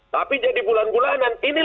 tapi jadi bulan bulanan